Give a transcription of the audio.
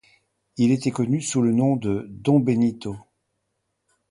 Il était connu sous le nom de Don Benito.